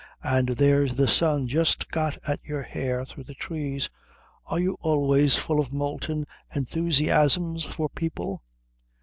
"And there's the sun just got at your hair through the trees. Are you always full of molten enthusiasms for people?"